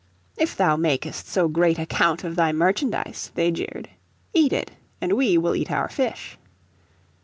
"If thou makest so great account of thy merchandise," they jeered, "eat it and we will eat our fish."